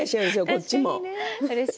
こっちも。